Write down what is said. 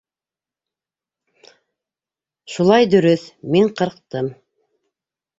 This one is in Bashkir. — Шулай дөрөҫ, мин ҡырҡтым.